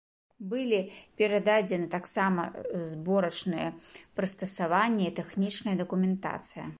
Былі перададзены таксама зборачныя прыстасаванні і тэхнічная дакументацыя.